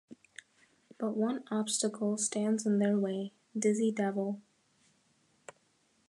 But one obstascle stands in their way: Dizzy Devil.